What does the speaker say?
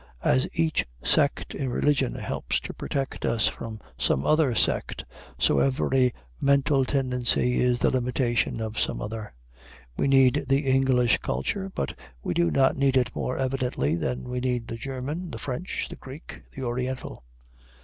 As each sect in religion helps to protect us from some other sect, so every mental tendency is the limitation of some other. We need the English culture, but we do not need it more evidently than we need the German, the French, the Greek, the Oriental.